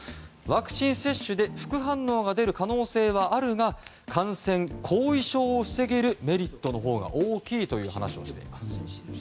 ワクチン接種で副反応が出る可能性はあるが感染、後遺症を防げるメリットのほうが大きいと話しています。